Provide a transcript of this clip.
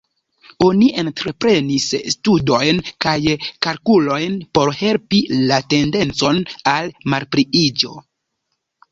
Oni entreprenis studojn kaj kalkulojn por helpi la tendencon al malpliiĝo.